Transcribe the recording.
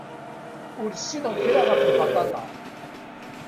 Ur ssineɣ kra ɣef lbaṭaṭa.